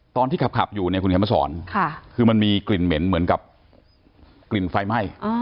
ตอนที่ขับอยู่เนี่ยคุณเขียนมาสอนคือมันมีกลิ่นเหม็นเหมือนกับกลิ่นไฟไหม้